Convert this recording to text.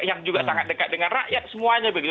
yang juga sangat dekat dengan rakyat semuanya begitu